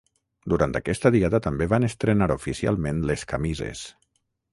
Durant aquesta diada també van estrenar oficialment les camises.